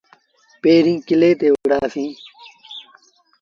پيريٚݩ ڪلي تي وُهڙآ سيٚݩ۔